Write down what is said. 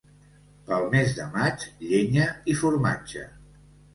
Pel mes de maig, llenya i formatge.